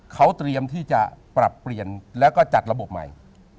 เขาเตรียมที่จะปรับเปลี่ยนแล้วก็จัดระบบใหม่